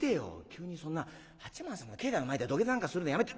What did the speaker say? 急にそんな八幡様の境内の前で土下座なんかするのやめて」。